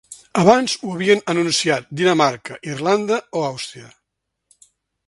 Abans ho havien anunciat Dinamarca, Irlanda o Àustria.